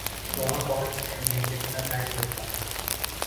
وہاں پہنچنے میں کتنا ٹائم لگتا ہے؟